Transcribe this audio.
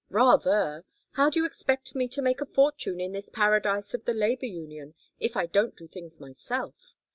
"Rather. How do you expect me to make a fortune in this paradise of the labor union if I don't do things myself?